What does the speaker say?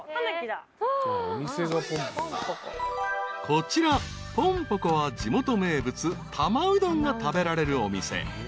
［こちらぽんぽこは地元名物多摩うどんが食べられるお店］